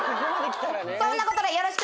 「そんなことでよろしく。